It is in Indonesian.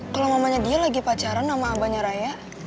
kalau mamanya dia lagi pacaran sama abahnya raya